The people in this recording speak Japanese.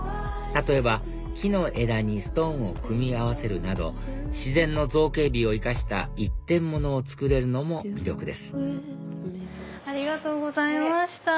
例えば木の枝にストーンを組み合わせるなど自然の造形美を生かした一点物を作れるのも魅力ですありがとうございました。